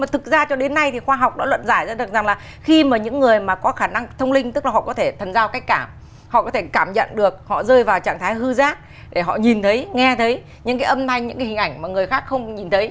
tất cả họ có thể cảm nhận được họ rơi vào trạng thái hư giác để họ nhìn thấy nghe thấy những cái âm thanh những cái hình ảnh mà người khác không nhìn thấy